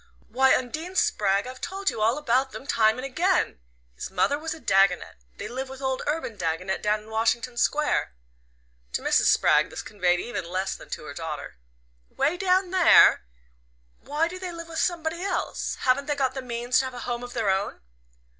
"Why, Undine Spragg, I've told you all about them time and again! His mother was a Dagonet. They live with old Urban Dagonet down in Washington Square." To Mrs. Spragg this conveyed even less than to her daughter, "'way down there? Why do they live with somebody else? Haven't they got the means to have a home of their own?"